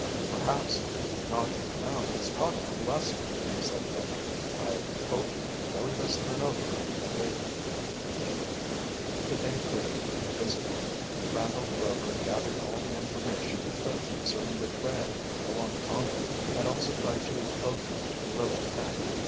"Perhaps knocking around has taught him a lesson," said Dick. "I hope he really does turn over a new leaf." The day proved to be a busy one. Randolph Rover gathered all the information he could concerning the trail along the Congo, and also tried to locate Niwili Camp.